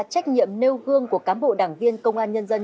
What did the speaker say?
trách nhiệm nêu gương của cán bộ đảng viên công an nhân dân